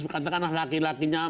katakanlah laki lakinya empat ratus